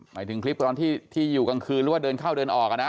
หมายถึงคลิปตอนที่อยู่กลางคืนหรือว่าเดินเข้าเดินออกนะ